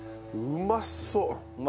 うまそう。